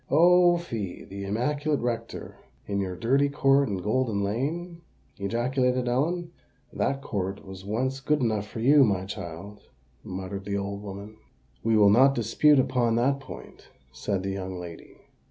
"Oh! fie—the immaculate rector in your dirty court in Golden Lane!" ejaculated Ellen. "That court was once good enough for you, my child," muttered the old woman. "We will not dispute upon that point," said the young lady.